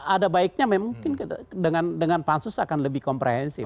ada baiknya mungkin dengan pansus akan lebih komprehensif